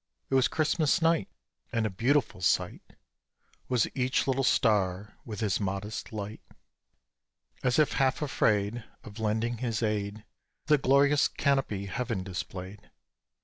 It was Christmas night, And a beautiful sight Was each little star with his modest light, As if half afraid Of lending his aid To the glorious canopy heaven displayed.